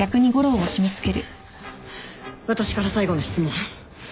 私から最後の質問。